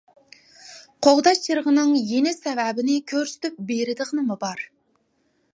قوغداش چىرىغىنىڭ يېنىش سەۋەبىنى كۆرسىتىپ بېرىدىغىنىمۇ بار.